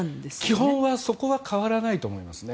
基本はそこは変わらないと思いますね。